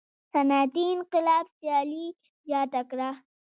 صنعتي انقلاب سیالي زیاته کړه.